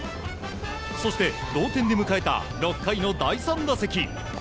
そして、同点で迎えた６回の第３打席。